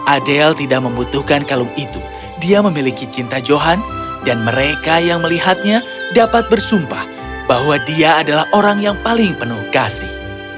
adel tidak membutuhkan kalung itu dia memiliki cinta johan dan mereka yang melihatnya dapat bersumpah bahwa dia adalah orang yang paling penuh kasih